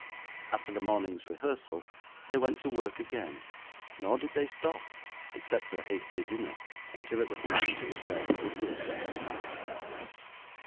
After the morning's rehearsal they went to work again, nor did they stop, except for a hasty dinner, until it was time to repair to the theatre at night.